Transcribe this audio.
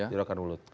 di rokan hulu